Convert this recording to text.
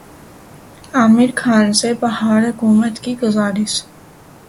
عامر خان سے بہار حکومت کی گزارش